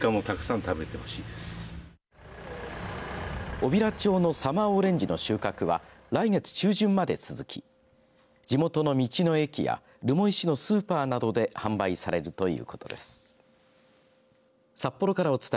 小平町のサマーオレンジの収穫は来月中旬まで続き地元の道の駅や留萌市のスーパーなどで販売されるということです。